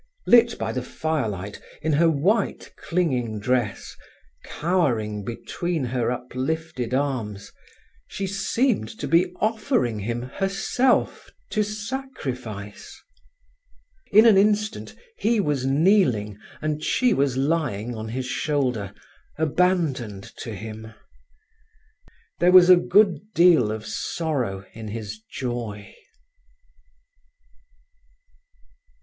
Lit by the firelight, in her white, clinging dress, cowering between her uplifted arms, she seemed to be offering him herself to sacrifice. In an instant he was kneeling, and she was lying on his shoulder, abandoned to him. There was a good deal of sorrow in his joy.